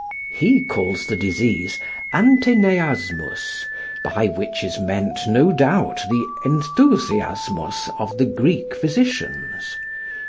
He calls the disease Anteneasmus, by which is meant no doubt the Enthusiasmus of the Greek physicians.